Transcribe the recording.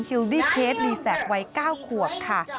คิวดี้เคสลีแสกวัย๙ขวบค่ะ